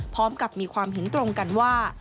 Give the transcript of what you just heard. พร้อมกับมีความเห็นตรงกันว่า